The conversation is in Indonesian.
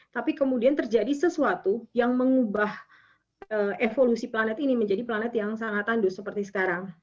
tapi kemudian terjadi sesuatu yang mengubah evolusi planet ini menjadi planet yang sangat tandus seperti sekarang